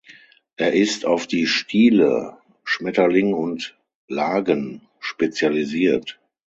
Er ist auf die Stile Schmetterling und Lagen spezialisiert.